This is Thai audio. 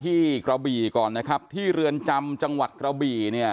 กระบี่ก่อนนะครับที่เรือนจำจังหวัดกระบี่เนี่ย